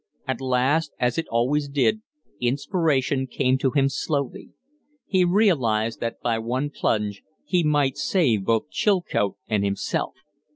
At last, as it always did, inspiration came to him slowly. He realized that by one plunge he might save both Chilcote and himself!